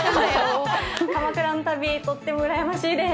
鎌倉の旅、とってもうらやましいです。